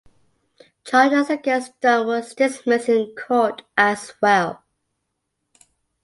Charges against Dunn were dismissed in court as well.